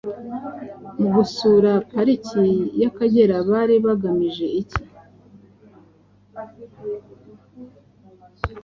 Mu gusura Pariki y’Akagera bari bagamije iki?